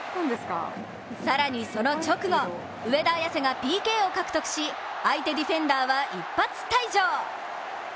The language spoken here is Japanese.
更にその直後、上田綺世がＰＫを獲得し相手ディフェンダーは一発退場。